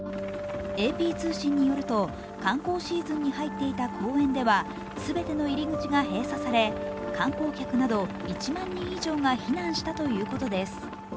ＡＰ通信によると、観光シーズンに入っていた公園では全ての入り口が閉鎖され、観光客など１万人以上が避難したということです。